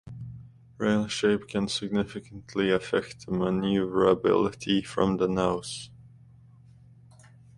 Rail shape can significantly affect the maneuverability from the nose.